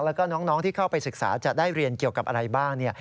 แล้วก็น้องที่เข้าไปศึกษาจะได้เรียนเกี่ยวกับอะไรบ้าง